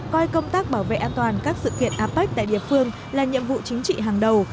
coi công tác bảo vệ an toàn các sự kiện apec tại địa phương là nhiệm vụ chính trị hàng đầu